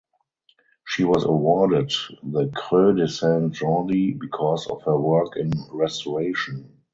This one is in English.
She was awarded the Creu de Sant Jordi because of her work in restoration.